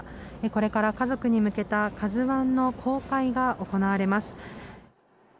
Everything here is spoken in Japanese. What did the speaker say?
これから家族に向けた「ＫＡＺＵ１」の公開が行われます。